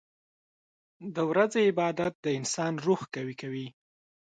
• د ورځې عبادت د انسان روح قوي کوي.